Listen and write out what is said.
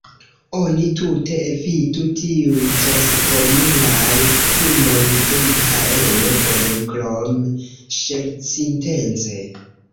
Oni tute evitu tiujn Transformulajn filmojn de Miĥaelo Bej, krom ŝercintence.